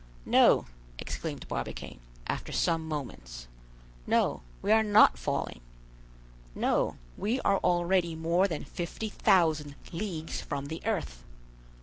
"No," exclaimed Barbicane, after some moments, "no, we are not falling! no, we are already more than 50,000 leagues from the earth.